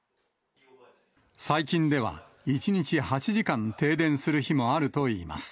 最近では１日８時間停電する日もあるといいます。